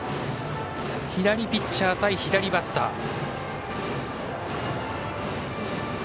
左ピッチャー対左バッター。